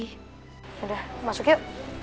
yaudah masuk yuk